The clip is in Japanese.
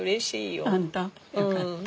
よかった。